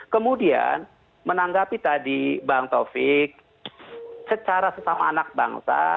kemudian menanggapi tadi bang taufik secara sesama anak bangsa